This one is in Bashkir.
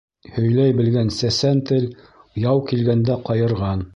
Һөйләй белгән сәсән тел яу килгәндә ҡайырған.